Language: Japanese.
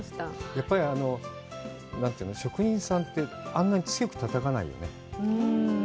やっぱり職人さんって、あんまり強くたたかないよね？